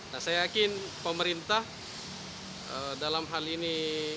nah saya yakin pemerintah dalam hal ini